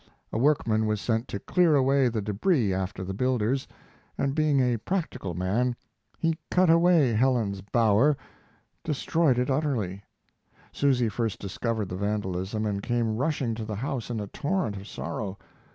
A workman was sent to clear away the debris after the builders, and being a practical man, he cut away Helen's Bower destroyed it utterly. Susy first discovered the vandalism, and came rushing to the house in a torrent of sorrow.